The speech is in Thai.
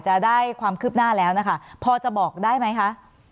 จะได้ความคืบหน้าแล้วนะคะพอจะบอกได้ไหมคะ